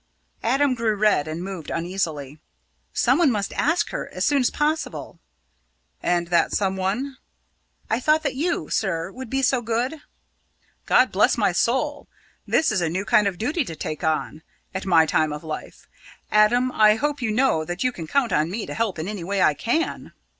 Adam grew red and moved uneasily. "Someone must ask her as soon as possible!" "And that someone?" "I thought that you, sir, would be so good!" "God bless my soul! This is a new kind of duty to take on at my time of life. Adam, I hope you know that you can count on me to help in any way I can!"